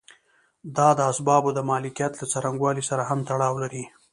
دا د اسبابو د مالکیت له څرنګوالي سره هم تړاو لري.